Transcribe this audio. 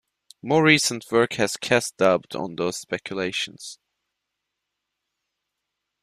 More recent work has cast doubt on those speculations.